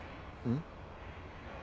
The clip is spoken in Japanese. ん？